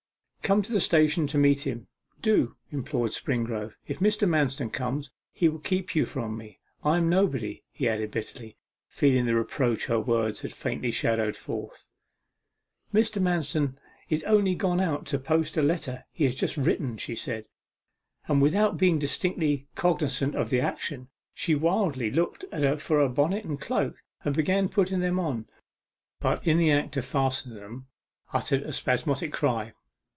Come to the station to meet him do,' implored Springrove. 'If Mr. Manston comes, he will keep you from me: I am nobody,' he added bitterly, feeling the reproach her words had faintly shadowed forth. 'Mr. Manston is only gone out to post a letter he has just written,' she said, and without being distinctly cognizant of the action, she wildly looked for her bonnet and cloak, and began putting them on, but in the act of fastening them uttered a spasmodic cry.